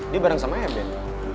dia bareng sama eben